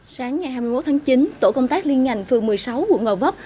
sáng ngày hai mươi một tháng chín tổ công tác liên ngành phường một mươi sáu quận ngò vấp